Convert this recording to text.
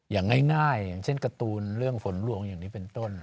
อย่างง่ายอย่างเช่นการ์ตูนเรื่องฝนลวงอย่างนี้เป็นต้น